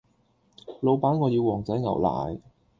老闆我要旺仔牛奶